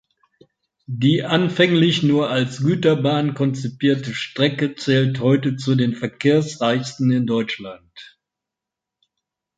Die anfänglich nur als Güterbahn konzipierte Strecke zählt heute zu den verkehrsreichsten in Deutschland.